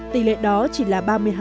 tỷ lệ đó chỉ là ba mươi hai